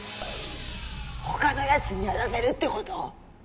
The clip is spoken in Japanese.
他のやつにやらせるってこと？